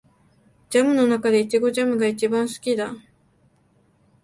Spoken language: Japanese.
ジャムの中でイチゴジャムが一番好きだ